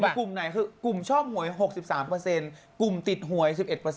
กลุ่มไหนคือกลุ่มชอบหวย๖๓กลุ่มติดหวย๑๑